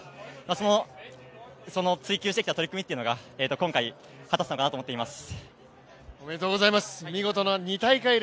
その追求してきた取り組みというのが、今回果たせたのかなと思います。